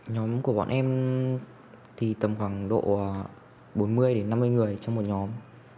nhóm của bọn em thì tầm khoảng độ bốn mươi năm mươi người trong một nhóm